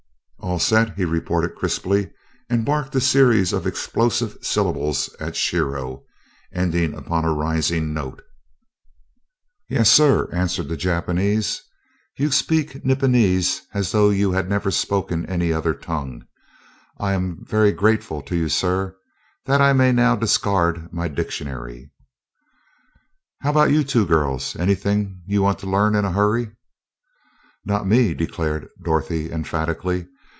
"All set," he reported crisply, and barked a series of explosive syllables at Shiro, ending upon a rising note. "Yes, sir," answered the Japanese. "You speak Nipponese as though you had never spoken any other tongue. I am very grateful to you, sir, that I may now discard my dictionary." "How about you two girls anything you want to learn in a hurry?" "Not me!" declared Dorothy emphatically.